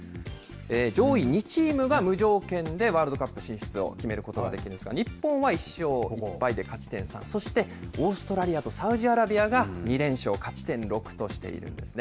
上位２チームが無条件でワールドカップ進出を決めることができますが、日本は１勝１敗で勝ち点３、そしてオーストラリアとサウジアラビアが２連勝、勝ち点６としているんですね。